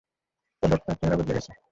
কদক, তার চেহারা বদলে গেছে।